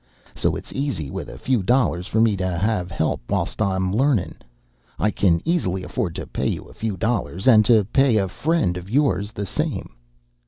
So it's easy wuth a few dollars for me to have help whilst I'm learnin'. I can easy afford to pay you a few dollars, and to pay a friend of yours the same."